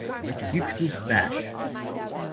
You could use bash